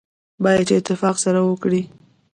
باید چې اتفاق سره وکړي.